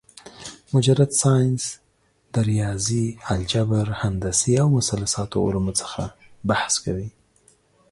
مجرد ساينس د رياضي ، الجبر ، هندسې او مثلثاتو علومو څخه بحث کوي